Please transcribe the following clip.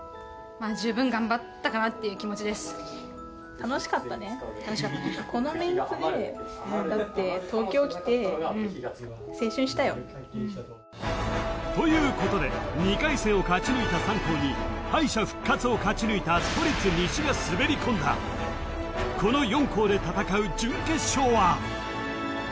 楽しかったねだってうんということで２回戦を勝ち抜いた３校に敗者復活を勝ち抜いた都立西が滑り込んだこの４校で戦う準決勝は？